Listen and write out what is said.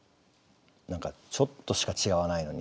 何かちょっとしか違わないのに。